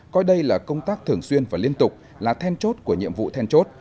coi đây là công tác thường xuyên và liên tục là then chốt của nhiệm vụ then chốt